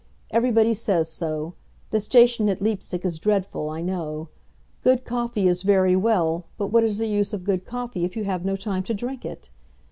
Everybody says so. The station at Leipsic is dreadful, I know. Good coffee is very well, but what is the use of good coffee if you have no time to drink it?